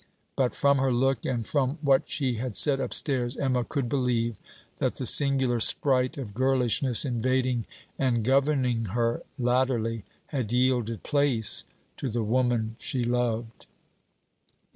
But, from her look and from what she had said upstairs, Emma could believe that the singular sprite of girlishness invading and governing her latterly, had yielded place to the woman she loved.